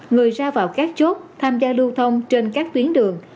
người ra vào các chốt tham gia lưu thông trên các tuyến đường